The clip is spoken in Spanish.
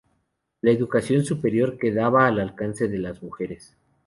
La educación superior quedaba al alcance de las mujeres.